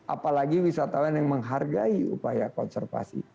apalagi wisatawan yang menghargai upaya konservasi